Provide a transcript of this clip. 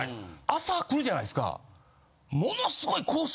朝来るじゃないですか。